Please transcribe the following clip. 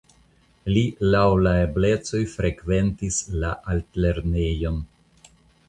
Li laŭ la eblecoj frekventis la altlernejon.